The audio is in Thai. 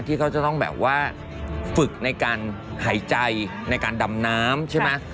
ที่เขาจะต้องแบบว่าฝึกในการหายใจในการดำน้ำใช่ไหม